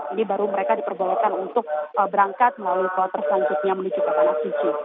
jadi baru mereka diperbolehkan untuk berangkat melalui kota selanjutnya menuju ke panasisi